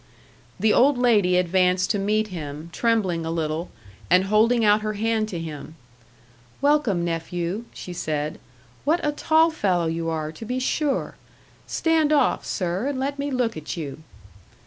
The old lady advanced to meet him, trembling a little, and holding out her hand to him. "Welcome, nephew," she said. "What a tall fellow you are, to be sure. Stand off, sir, and let me look at you."